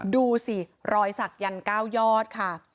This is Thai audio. ดูสิรอยศักดิ์ยันต์เก้ายอดค่ะ